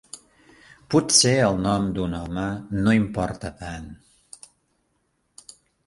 Potser el nom d'un home no importa tant.